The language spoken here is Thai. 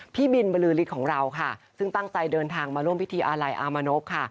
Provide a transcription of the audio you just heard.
พี่บินบรือฤทธิ์ของเราค่ะซึ่งตั้งใจเดินทางมาร่วมพิธีอาลัยอามนพค่ะ